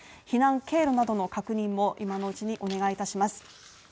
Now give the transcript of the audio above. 避難経路などの確認も今のうちにお願いいたします。